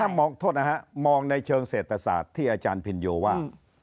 ถ้ามองโทษนะฮะมองในเชิงเศรษฐศาสตร์ที่อาจารย์พินโยว่า